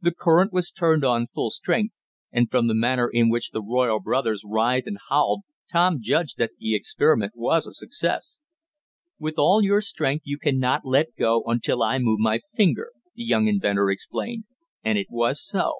The current was turned on full strength, and from the manner in which the royal brothers writhed and howled Tom judged that the experiment was a success. "With all your strength you can not let go until I move my finger," the young inventor explained, and it was so.